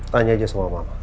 tanya aja sama mama